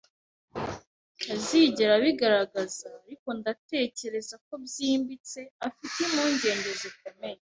Ntazigera abigaragaza, ariko ndatekereza ko byimbitse, afite impungenge zikomeye